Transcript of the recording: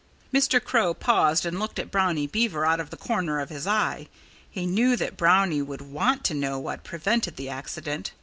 Mr. Crow paused and looked at Brownie Beaver out of the corner of his eye. He knew that Brownie would want to know what prevented the accident.